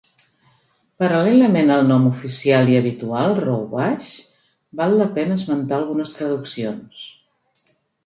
Paral·lelament al nom oficial i habitual "Roubaix", val la pena esmentar algunes traduccions.